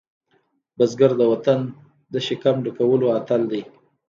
بزګر د وطن د شکم ډکولو اتل دی